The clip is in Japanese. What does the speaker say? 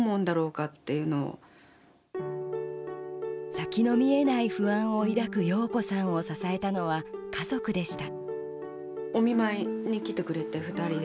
先の見えない不安を抱く洋子さんを支えたのは家族でした。